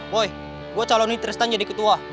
woy gue calonin tristan jadi ketua